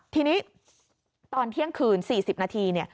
ทีนี้ตอนเที่ยงคืน๔๐นาที